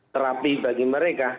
terapi bagi mereka